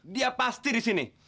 dia pasti disini